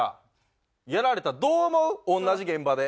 同じ現場で。